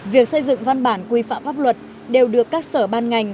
việc xây dựng văn bản quy phạm pháp luật đều được các sở ban ngành